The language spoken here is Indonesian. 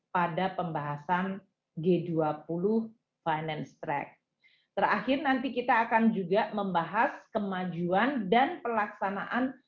pada pembahasan g dua puluh finance track terakhir nanti kita akan juga membahas kemajuan dan pelaksanaan